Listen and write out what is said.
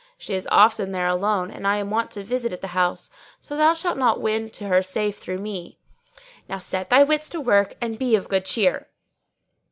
She is often there alone and I am wont to visit at the house; so thou shalt not win to her save through me. Now set thy wits to work and be of good cheer."